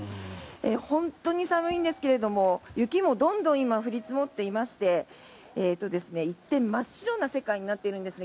本当に寒いんですけれど雪もどんどん今、降り積もっていまして一転、真っ白な世界になっているんですね。